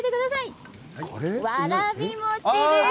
わらび餅です。